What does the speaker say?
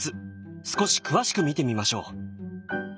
少し詳しく見てみましょう。